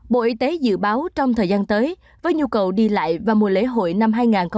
bộ y tế dự báo trong thời gian tới với nhu cầu đi lại và mùa lễ hội năm hai nghìn hai mươi